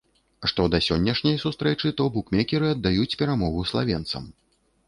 Што да сённяшняй сустрэчы, то букмекеры аддаюць перамогу славенцам.